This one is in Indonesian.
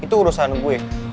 itu urusan gue